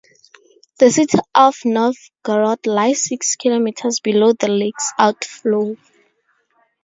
The city of Novgorod lies six kilometers below the lake's outflow.